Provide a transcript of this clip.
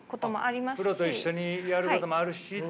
プロと一緒にやることもあるしっていう。